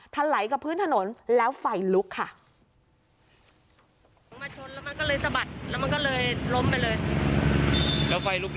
ถลายกับพื้นถนนแล้วไฟลุกค่ะ